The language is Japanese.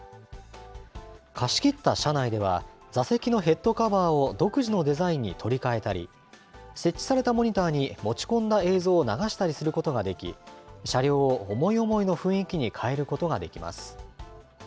貸し切った車内では、座席のヘッドカバーを独自のデザインに取り替えたり、設置されたモニターに持ち込んだ映像を流したりすることができ、車両を思い思いの雰囲気に変えることができます。